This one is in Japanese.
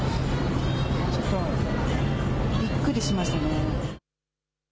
ちょっとびっくりしましたね。